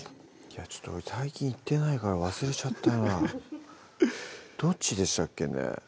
ちょっと最近行ってないから忘れちゃったなどっちでしたっけね？